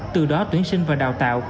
từ đó tuyển sinh và đào tạo